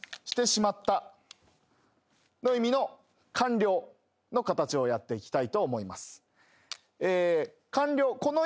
「してしまった」の意味の完了の形をやっていきたいと思います。